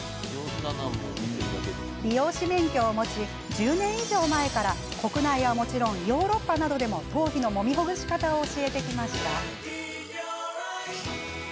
美容師免許を持ち１０年以上前から国内はもちろんヨーロッパなどでも頭皮のもみほぐし方を教えてきました。